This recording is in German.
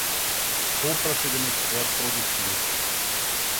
Kopra für den Export produziert.